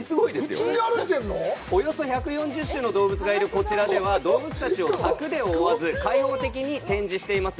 およそ１４０種の動物がいるこちらでは、動物たちを柵で覆わず、開放的に展示しています。